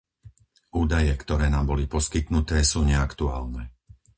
Údaje, ktoré nám boli poskytnuté, sú neaktuálne.